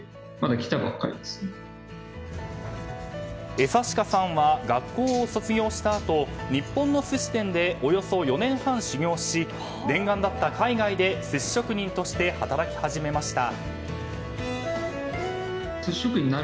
江刺家さんは学校を卒業したあと日本の寿司店でおよそ４年半修業し念願だった、海外で寿司職人として働き始めました。